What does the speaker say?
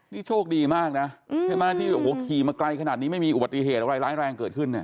นี่โชคดีมากนะใช่ไหมที่โอ้โหขี่มาไกลขนาดนี้ไม่มีอุบัติเหตุอะไรร้ายแรงเกิดขึ้นเนี่ย